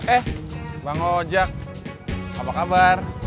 eh bang ojek apa kabar